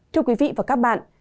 thưa quý vị và các bạn